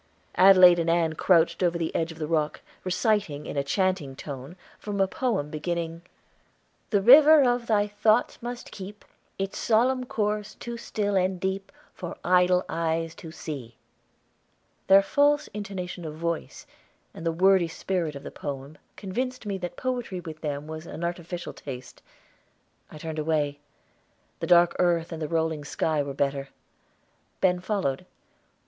Adelaide and Ann crouched over the edge of the rock, reciting, in a chanting tone, from a poem beginning: "The river of thy thoughts must keep its solemn course too still and deep For idle eyes to see." Their false intonation of voice and the wordy spirit of the poem convinced me that poetry with them was an artificial taste. I turned away. The dark earth and the rolling sky were better. Ben followed.